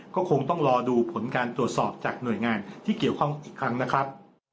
ก็คงต้องรอดูผลการตรวจสอบจากหน่วยงานที่เกี่ยวข้องอีกครั้งนะครับ